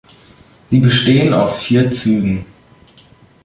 Sie bestehen aus vier Zügen.